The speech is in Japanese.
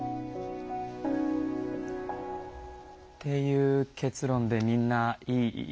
っていう結論でみんないい？